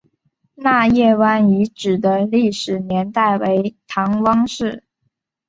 纳业湾遗址的历史年代为唐汪式。